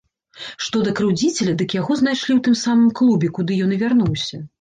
Што да крыўдзіцеля, дык яго знайшлі ў тым самым клубе, куды ён і вярнуўся.